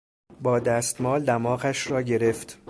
با دستمال دماغش را گرفت.